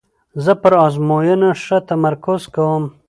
زه پر آزموینو ښه تمرکز کوم.